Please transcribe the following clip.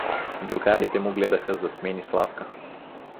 Другарите му гледаха засмени Славка.